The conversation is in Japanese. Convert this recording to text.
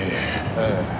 ええ。